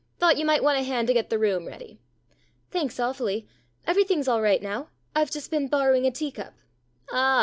" Thought you might want a hand to get the room ready." " Thanks, awfully. Everything's all right now. I've just been borrowing a tea cup." "Ah!"